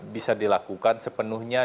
bisa dilakukan sepenuhnya